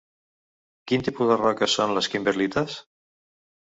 Quin tipus de roques són les kimberlites?